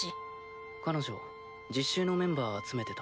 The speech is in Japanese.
彼女実習のメンバー集めてた。